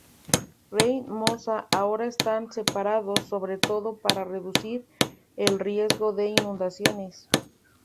Rin y Mosa ahora están separados sobre todo para reducir el riesgo de inundaciones.